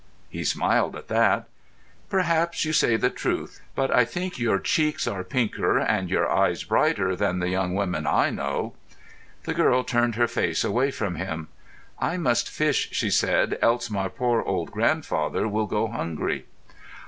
He smiled at that. "Perhaps you say the truth, but I think your cheeks are pinker and your eyes brighter than the young women I know." The girl turned her face away from him. "I must fish," she said, "else my poor old grandfather will go hungry."